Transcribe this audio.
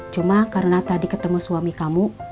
cuma karena tadi ketemu suami kamu